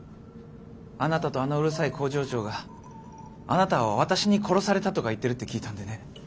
あなたとあのうるさい工場長があなたは私に殺されたとか言ってるって聞いたんでね。